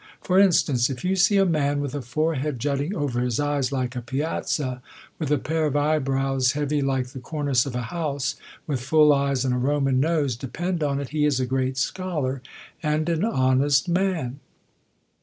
For instance, if you see a man, with a forehead jutting over his eyes like a piazza, with a pair of eyebrows, heavy like the cornice of a house ; with full' eyes, and a Ro man nose, depend on it he is a great scholar, and an honest man.